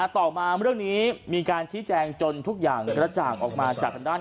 ต่อมาเรื่องนี้มีการชี้แจงจนทุกอย่างกระจ่างออกมาจากทางด้าน